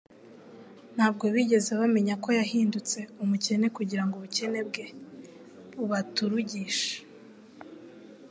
Ntabwo bigeze bamenya ko yahindutse "Umukene" kugira ngo ubukene bwe bubaturugishe'".